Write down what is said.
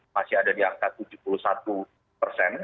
masih ada di angka tujuh puluh satu persen